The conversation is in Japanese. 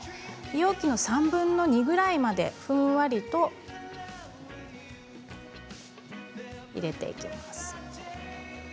容器の３分の２ぐらいまでふんわりと入れていきます。